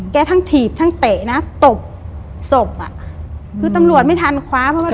ทั้งถีบทั้งเตะนะตบศพอ่ะคือตำรวจไม่ทันคว้าเพราะว่า